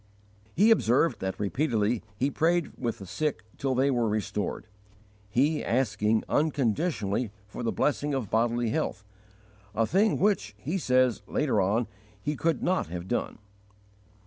He observed that repeatedly he prayed with the sick till they were restored, he asking unconditionally for the blessing of bodily health, a thing which, he says, later on, he could not have done.